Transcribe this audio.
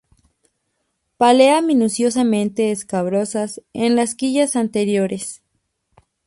Pálea minuciosamente escabrosas en las quillas anteriores.